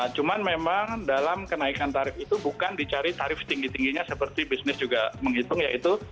cuma memang dalam kenaikan tarif itu bukan dicari tarif tinggi tingginya seperti bisnis juga menghitung yaitu